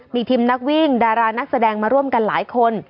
มีทีมนักวิ่งดารานักแสดงมาร่วมกันหลายคน